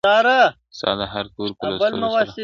ستا دهر توري په لوستلو سره,